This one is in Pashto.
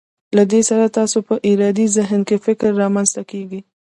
له دې سره ستاسو په ارادي ذهن کې فکر رامنځته کیږي.